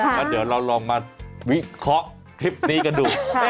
แล้วเดี๋ยวเราลองมาวิเคราะห์คลิปนี้กันดู